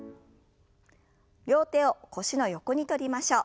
両手を腰の横に取りましょう。